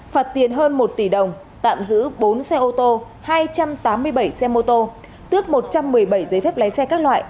phạt tiền hơn một tỷ đồng tạm giữ bốn xe ô tô hai trăm tám mươi bảy xe mô tô tước một trăm một mươi bảy giấy phép lái xe các loại